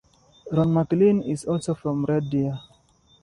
Ron MacLean is also from Red Deer.